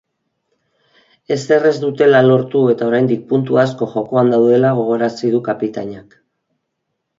Ezer ez dutela lortu eta oraindik puntu asko jokoan daudela gogorarazi du kapitainak.